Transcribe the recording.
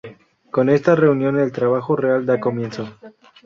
Con esta reunión el trabajo real da comienzo.